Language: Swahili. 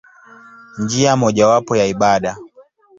Njia mojawapo ya ibada.